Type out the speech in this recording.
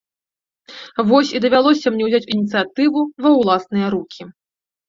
Вось і давялося мне ўзяць ініцыятыву ва ўласныя рукі.